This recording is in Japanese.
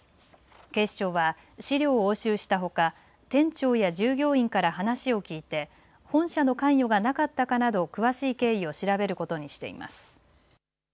警視庁は資料を押収したほか店長や従業員から話を聞いて本社の関与がなかったかなど詳しい経緯を調べることにしています。